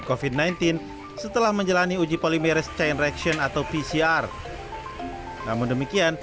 kofit sembilan belas setelah menjalani uji polimerase chain reaction atau pcr namun demikian